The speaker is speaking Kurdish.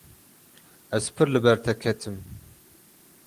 Ez pir li ber te ketim.